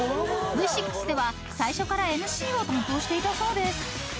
［Ｖ６では最初からＭＣを担当していたそうです］